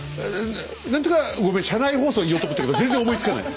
何とかごめん車内放送言おうと思ったけど全然思いつかない。